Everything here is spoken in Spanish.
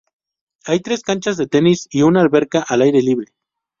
Hay tres canchas de tenis y una alberca al aire libre.